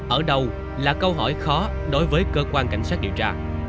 ở đâu là câu hỏi khó đối với cơ quan cảnh sát điều tra